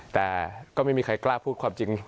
แต่ก็ไม่มีใครกล้าพูดความจริง